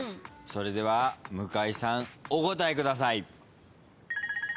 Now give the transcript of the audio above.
それでは向井さんお答えください。